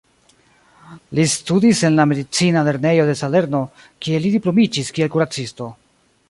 Li studis en la "Medicina Lernejo de Salerno" kie li diplomiĝis kiel kuracisto.